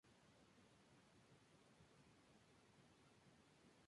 El número de equipos es ilimitado, pueden participar todos los equipos que quieran.